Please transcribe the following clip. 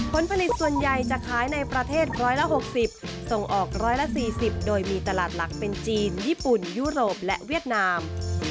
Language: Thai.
ผลผลิตส่วนใหญ่จะขายในประเทศ๑๖๐ส่งออก๑๔๐โดยมีตลาดหลักเป็นจีนญี่ปุ่นยุโรปและเวียดนาม